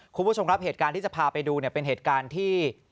คุณผู้ชมครับเหตุการณ์ที่จะพาไปดูเนี่ยเป็นเหตุการณ์ที่